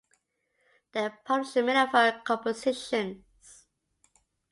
They published many of her compositions.